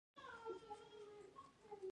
سعید جمالدین افغان